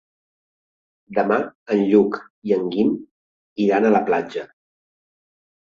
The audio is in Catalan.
Demà en Lluc i en Guim iran a la platja.